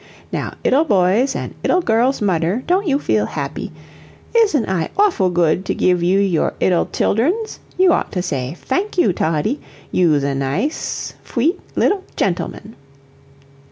Now, 'ittle boy's an' 'ittle girl's mudder, don't you feel happy? isn't I awfoo good to give you your 'ittle tsilderns? You ought to say, 'Fank you, Toddie, you'se a nice, fweet 'ittle djentleman.'"